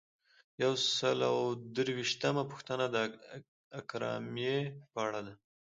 یو سل او درویشتمه پوښتنه د اکرامیې په اړه ده.